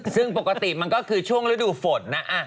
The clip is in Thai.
ซึ่งปกติมันก็คือช่วงฤดูฝนนะ